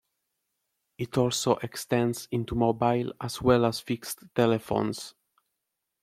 It also extends into mobile as well as fixed telephones.